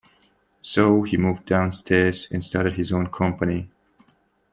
So, he moved downstairs and started his own company...